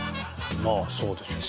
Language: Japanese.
まあそうでしょ。